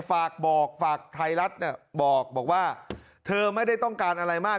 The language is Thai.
ฝากบอกฝากไทยรัฐเนี่ยบอกว่าเธอไม่ได้ต้องการอะไรมาก